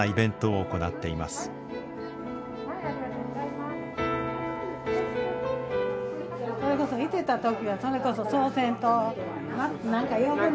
それこそいてた時はそれこそそうせんと。